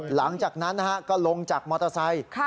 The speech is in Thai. หลังจากนั้นก็ลงจากมอเตอร์ไซค์